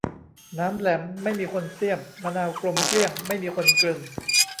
หนามแหลมไม่มีคนเสี้ยม มะนาวกลมเกลี้ยงไม่มีคนกลึง